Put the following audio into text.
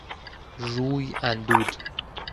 روی اندود